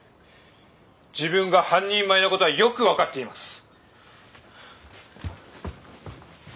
自分が半人前な事はよく分かっています。